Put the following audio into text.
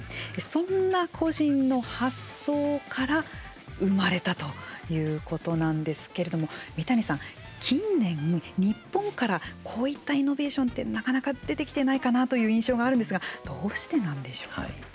そんな個人の発想から生まれたということなんですけれども三谷さん、近年、日本からこういったイノベーションってなかなか出てきてないかなという印象があるんですがどうしてなんでしょうね。